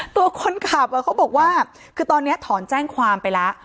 ตัวคนขับเขาบอกว่าคือตอนนี้ถอนแจ้งความไปแล้ว